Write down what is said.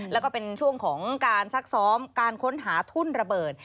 แล้วก็เป็นช่วงของการซักซ้อมการค้นหาทุ่นระเบิด